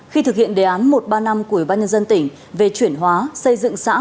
khi thực hiện đề án một ba năm của bác nhân dân tỉnh về chuyển hóa xây dựng xã